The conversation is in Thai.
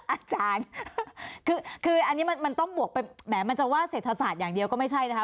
อาจารย์คืออันนี้มันต้องบวกไปแหมมันจะว่าเศรษฐศาสตร์อย่างเดียวก็ไม่ใช่นะคะ